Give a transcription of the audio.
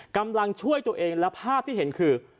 กำลังช่วยตัวเองแล้วภาพที่เห็นคือ